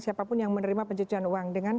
siapapun yang menerima pencucian uang